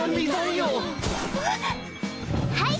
はい！